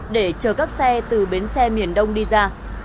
để chờ các xe từ bến xe miền đông đi ra